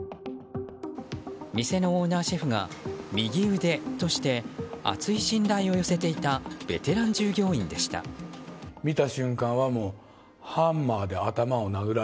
店のオーナーシェフが右腕として厚い信頼を寄せていたベテラン従業員でした。